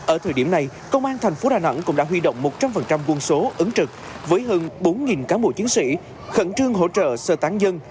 ở thời điểm này công an thành phố đà nẵng cũng đã huy động một trăm linh quân số ứng trực với hơn bốn cán bộ chiến sĩ khẩn trương hỗ trợ sơ tán dân